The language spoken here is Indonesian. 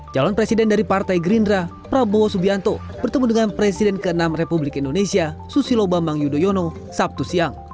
calon presiden dari partai gerindra prabowo subianto bertemu dengan presiden ke enam republik indonesia susilo bambang yudhoyono sabtu siang